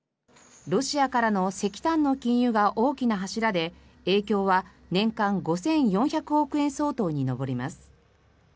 ロシアからの石炭の禁輸が大きな柱で、影響は年間およそ５４００億円相当に上ります。